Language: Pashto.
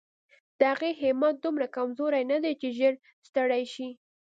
د هغې همت دومره کمزوری نه دی چې ژر ستړې شي.